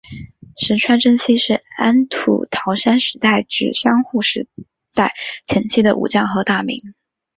石川贞清是安土桃山时代至江户时代前期的武将和大名。